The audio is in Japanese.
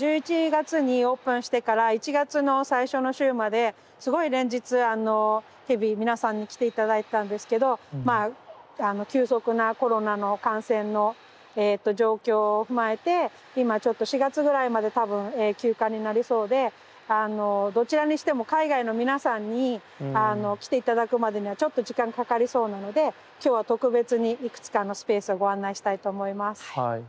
１１月にオープンしてから１月の最初の週まですごい連日日々皆さんに来て頂いてたんですけどまあ急速なコロナの感染の状況を踏まえて今ちょっと４月ぐらいまで多分休館になりそうでどちらにしても海外の皆さんに来て頂くまでにはちょっと時間がかかりそうなので今日は特別にいくつかのスペースをご案内したいと思います。